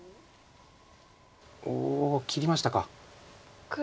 おお切りましたか。